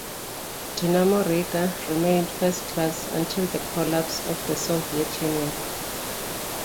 Dinamo Riga remained first class until the collapse of the Soviet Union.